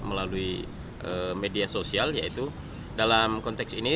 melalui media sosial yaitu dalam konteks ini